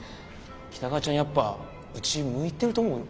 喜多川ちゃんやっぱうち向いてると思うよ。